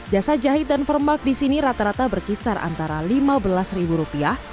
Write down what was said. jasa jahit dan permak di sini rata rata berkisar antara lima belas ribu rupiah